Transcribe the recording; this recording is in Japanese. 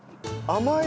甘い。